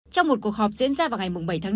trong một cuộc họp diễn ra vào ngày bảy tháng bốn